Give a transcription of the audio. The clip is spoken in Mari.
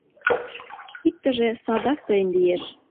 Иктыже садак тыйын лиеш.